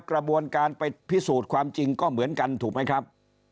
กระบวนการไปพิสูจน์ความจริงก็เหมือนกันถูกไหมครับ